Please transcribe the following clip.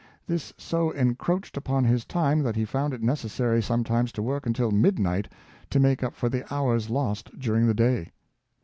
This so encroached upon his time that he found it necessary sometimes to work until midnight to make up for the hours lost during the day.